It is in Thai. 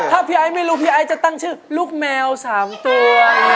ถ้าพี่ไอ้ไม่รู้พี่ไอ้จะตั้งชื่อลูกแมว๓ตัว